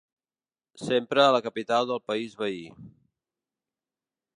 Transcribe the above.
Sempre a la capital del país veí.